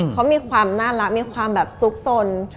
เขามีความน่ารักมีความแบบซุกสน